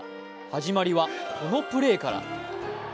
始まりはこのプレーから。